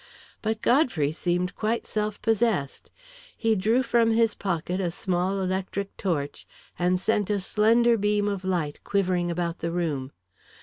But Godfrey seemed quite self possessed. He drew from his pocket a small electric torch, and sent a slender beam of light quivering about the room.